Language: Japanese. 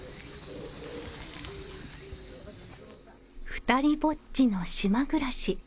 ふたりぼっちの島暮らし。